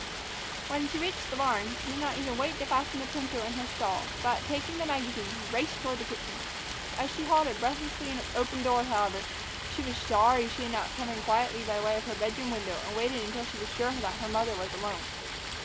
When she reached the barn, she did not even wait to fasten the pinto in her stall; but, taking the magazine, raced toward the kitchen. As she halted breathless in its open door, however, she was sorry that she had not come in quietly by way of her bedroom window and waited until she was sure that her mother was alone.